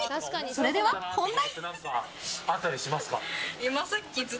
それでは本番。